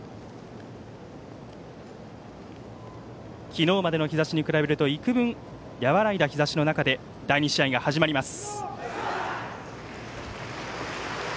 昨日までの日ざしに比べると幾分和らいだ日ざしの中で第２試合が始まります。